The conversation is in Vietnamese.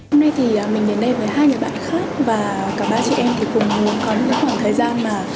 hôm nay thì mình đến đây với hai người bạn khác và cả ba chị em thì cùng có một khoảng thời gian mà